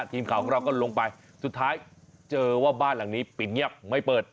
ทีมข่าวของเราก็ลงไปสุดท้ายเจอว่าบ้านหลังนี้ปิดเงียบไม่เปิด